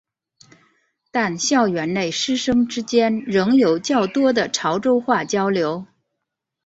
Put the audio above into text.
但校园内师生之间仍有较多的潮州话交流。